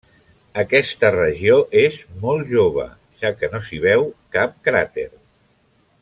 Aquesta regió és molt jove, ja que no s'hi veu cap cràter.